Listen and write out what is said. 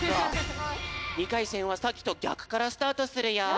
２かいせんはさっきとぎゃくからスタートするよ。